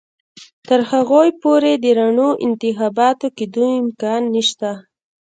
تر هغو پورې د رڼو انتخاباتو کېدو امکان نشته.